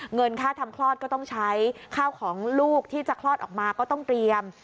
เงินค่าทำคลอดก็ต้องใช้ข้าวของลูกที่จะคลอดออกมาก็ต้องเตรียม